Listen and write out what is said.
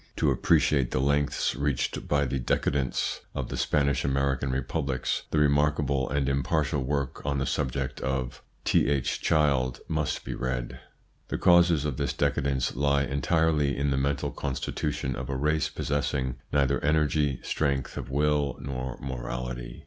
To appreciate the lengths reached by the decadence 150 THE PSYCHOLOGY OF PEOPLES: of the Spanish American republics, the remarkable and impartial work on the subject of Th. Child must be read. The causes of this decadence lie entirely in the mental constitution of a race possessing neither energy, strength of will, nor morality.